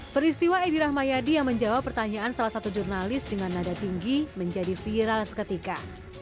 peristiwa edi rahmayadi yang menjawab pertanyaan salah satu jurnalis dengan nada tinggi menjadi viral seketika